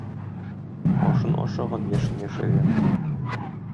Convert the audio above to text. Ашын ашаган, яшен яшәгән.